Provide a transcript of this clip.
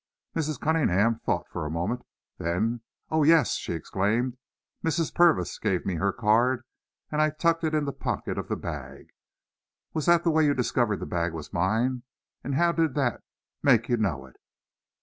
Mrs. Cunningham thought for a moment. Then, "Oh, yes!" she exclaimed. "Mrs. Purvis gave me her card, and I tucked it in the pocket of the bag. Was that the way you discovered the bag was mine? And how did that make you know it."